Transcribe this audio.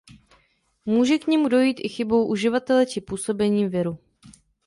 Může k němu dojít i chybou uživatele či působením viru.